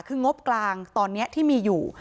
คืองบกลางตอนนี้ที่มีอยู่